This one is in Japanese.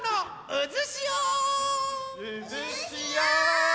うずしお！